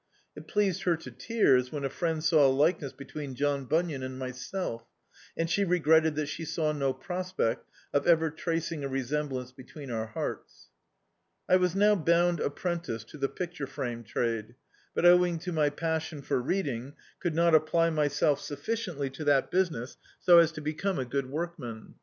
It pleased her to tears when a friend saw a likeness between John Bunyan and myself, and she regretted that she saw no prospect of ever tracing a resemblance between our hearts. I was now bound ^prentice to the picture frame trade, but owing to my passion for reading, could not apply myself sufBciently to that business so as to become a good workman.